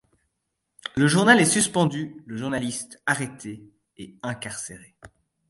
Le journal est suspendu, le journaliste arrêté et incarcéré.